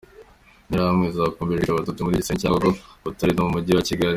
Interahamwe zakomeje kwica Abatutsi muri Gisenyi, Cyangugu, Butare no mu Mujyi wa Kigali.